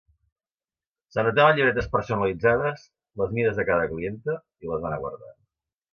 S'anotava en llibretes personalitzades, les mides de cada clienta i les va anar guardant.